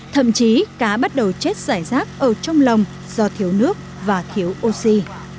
thậm chí cá bắt đầu chết giải rác ở trong lồng do thiếu nước và thiếu oxy